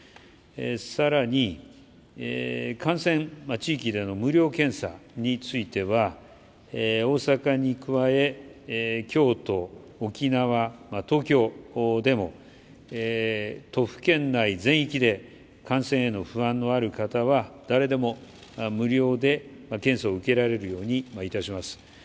更に、感染地域での無料検査については大阪に加え、京都、沖縄、東京でも都府県内全域で感染への不安のある方は誰でも無料で検査を受けられるようにいたします。